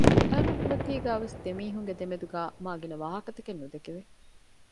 އައި މަގުމަތީގައިވެސް ދެމީހުންގެ ދެމެދުގައި މާ ގިނަ ވާހަކަތަކެއް ނުދެކެވެ